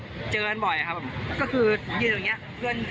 ก็เห็นเด็กนะมันไล่มาเสี่ยงเลยนะ